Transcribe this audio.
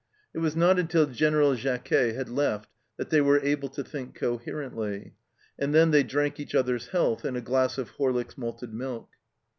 It was not until General Jacquez had left that they were able to think coherently, and then they drank each other's health in a glass of Horlick's malted milk.